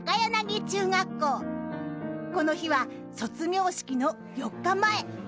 ［この日は卒業式の４日前］